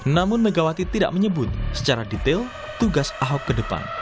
namun megawati tidak menyebut secara detail tugas ahok ke depan